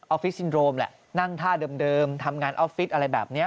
ฟิศซินโรมแหละนั่งท่าเดิมทำงานออฟฟิศอะไรแบบนี้